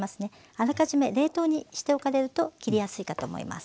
あらかじめ冷凍にしておかれると切りやすいかと思います。